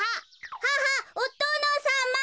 「ははっおとのさま」。